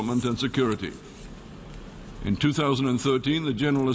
คุณพระเจ้า